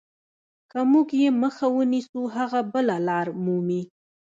که موږ یې مخه ونیسو هغه بله لار مومي.